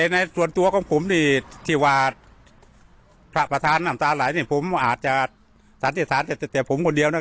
ในส่วนตัวของผมพระประธานน้ำตาไหลคุณผู้ชายเพิ่มชาติสาธิตรรรย์ผมเอง